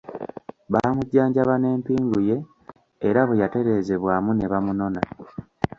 Baamujjanjaba n’empingu ye era bwe yatereezebwamu ne bamunona.